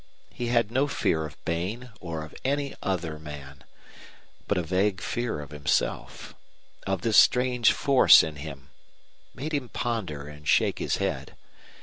He had no fear of Bain or of any other man; but a vague fear of himself, of this strange force in him, made him ponder and shake his head.